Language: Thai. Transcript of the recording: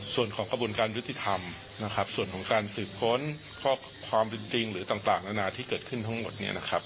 ส่วนของกระบวนการยุติธรรมนะครับส่วนของการสืบค้นข้อความเป็นจริงหรือต่างนานาที่เกิดขึ้นทั้งหมดเนี่ยนะครับ